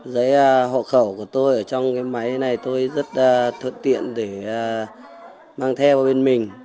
giấy hộ khẩu của tôi ở trong cái máy này tôi rất thuận tiện để mang theo bên mình